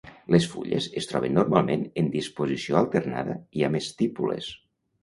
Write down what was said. Les fulles es troben normalment en disposició alternada i amb estípules.